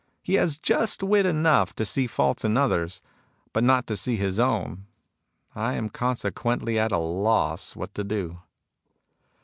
He has just wit enough to see faults in others, but not to see his own. I am consequently at a loss what to do."